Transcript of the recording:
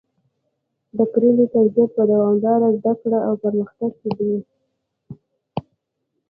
د کرنې کیفیت په دوامداره زده کړه او پرمختګ کې دی.